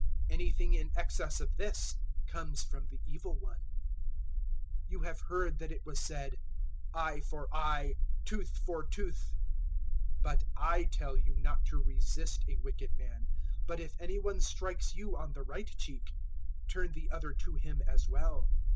Anything in excess of this comes from the Evil one. 005:038 "You have heard that it was said, `Eye for eye, tooth for tooth.' 005:039 But I tell you not to resist a wicked man, but if any one strikes you on the right cheek, turn the other to him as well.